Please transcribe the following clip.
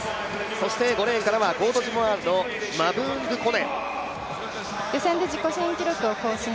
そして５レーンからはコートジボアールのマブーンドゥ・コネ。